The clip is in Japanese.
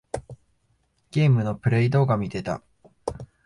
ゲームのプレイ動画みてた。